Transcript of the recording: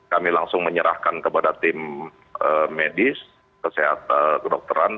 kami langsung menyerahkan kepada tim medis kesehatan kedokteran